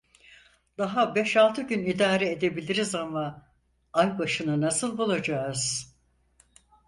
Daha beş altı gün idare edebiliriz ama, ay başını nasıl bulacağız?